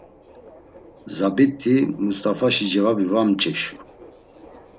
Zabit̆i, Must̆afaşi cevabi va mç̌eşu.